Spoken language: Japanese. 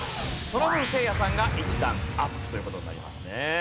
その分せいやさんが１段アップという事になりますね。